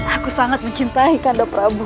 aku sangat mencintai kanda prabu